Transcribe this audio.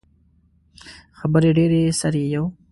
خبرې ډیرې سر يې یو.